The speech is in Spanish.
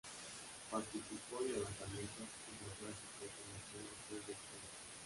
Participó en levantamientos hidrográficos en la zona sur de Chile.